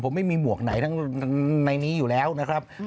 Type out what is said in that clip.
ผมไม่มีหมวกไหนทั้งในนี้อยู่แล้วนะครับ